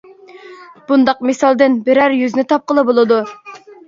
بۇنداق مىسالدىن بىرەر يۈزنى تاپقىلى بولىدۇ.